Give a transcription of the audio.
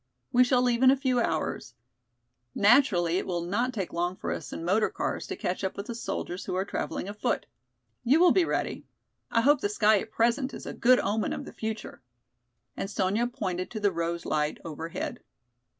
We shall leave in a few hours; naturally it will not take long for us in motor cars, to catch up with the soldiers who are traveling afoot. You will be ready. I hope the sky at present is a good omen of the future." And Sonya pointed to the rose light overhead.